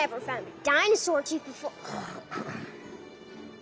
ああ。